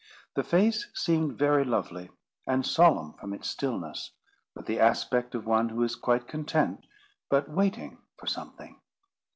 The face seemed very lovely, and solemn from its stillness; with the aspect of one who is quite content, but waiting for something.